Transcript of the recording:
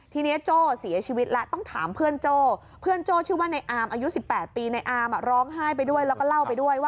ทีนี้โจ้เสียชีวิตแล้วต้องถามเพื่อนโจ้เพื่อนโจ้ชื่อว่าในอามอายุ๑๘ปีในอามร้องไห้ไปด้วยแล้วก็เล่าไปด้วยว่า